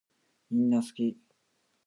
みんなすき